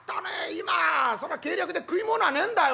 今計略で食い物はねえんだよ」。